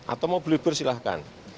atau mau berlibur silahkan